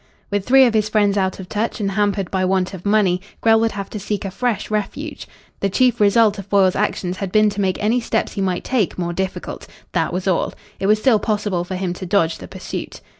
With three of his friends out of touch, and hampered by want of money, Grell would have to seek a fresh refuge. The chief result of Foyle's actions had been to make any steps he might take more difficult. That was all. It was still possible for him to dodge the pursuit.